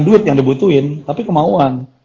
duit yang dibutuhin tapi kemauan